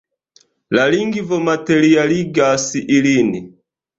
La lingvo materialigas ilin.